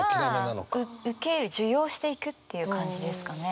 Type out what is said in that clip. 受ける受容していくっていう感じですかね。